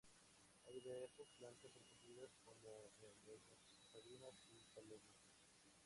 Hay diversas plantas protegidas, como enebros, sabinas y palmitos.